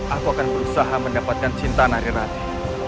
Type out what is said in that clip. aku akan berusaha mendapatkan cinta nari rati